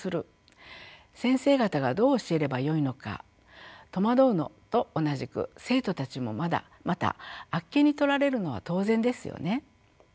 先生方がどう教えればよいのか戸惑うのと同じく生徒たちもまたあっけにとられるのは当然ですよね。